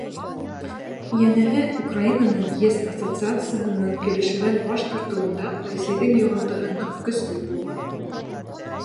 Йәнәһе, Украинаның ЕС ассоциацияһы менән килешеүҙән баш тартыуында Рәсәйҙең йоғонтоһо ныҡ көслө булған.